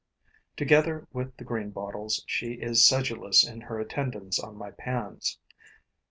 Together with the greenbottles, she is sedulous in her attendance on my pans.